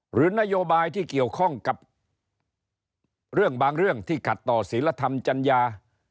หรือนโยบายที่เกี่ยวข้องกับเรื่องบางเรื่องที่ขัดต่อศิลธรรมจัญญา